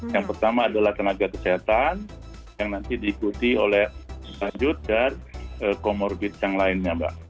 yang pertama adalah tenaga kesehatan yang nanti diikuti oleh lanjut dan comorbid yang lainnya mbak